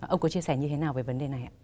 ông có chia sẻ như thế nào về vấn đề này ạ